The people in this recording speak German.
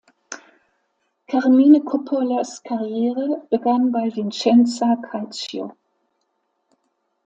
Carmine Coppolas Karriere begann bei Vicenza Calcio.